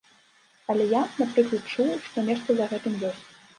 Але я, напрыклад, чуў, што нешта за гэтым ёсць.